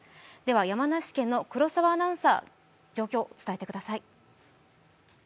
山梨県の黒澤アナウンサー、状況を伝えてください。